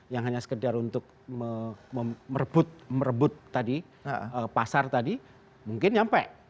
yang hanya sekedar untuk merebut tadi pasar tadi mungkin nyampe